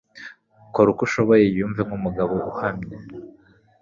Kora uko ushoboye yiyumve nk'umugabo uhamye